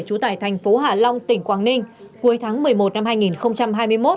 trú tại thành phố hạ long tỉnh quảng ninh cuối tháng một mươi một năm hai nghìn hai mươi một